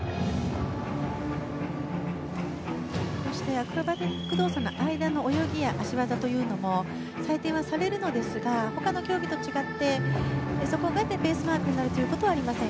アクロバティック動作の間の動きや泳ぎや脚技というのも採点はされるんですが他の競技と違ってそこまでベースマークとなることはありません。